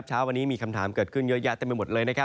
เช้าวันนี้มีคำถามเกิดขึ้นเยอะแยะเต็มไปหมดเลยนะครับ